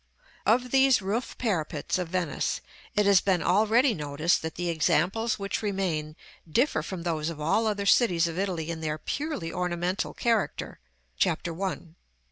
[Illustration: Fig. XXIII.] § XII. Of these roof parapets of Venice, it has been already noticed that the examples which remain differ from those of all other cities of Italy in their purely ornamental character. (Chap. I. § XII.)